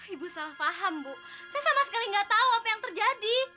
ibu salah paham bu saya sama sekali nggak tahu apa yang terjadi